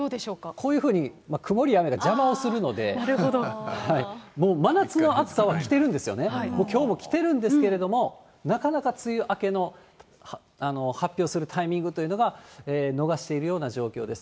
こういうふうに曇りや雨が邪魔をするので、もう真夏の暑さは来てるんですよね、きょうも来てるんですけれども、なかなか梅雨明けの発表するタイミングというのが逃しているような状況です。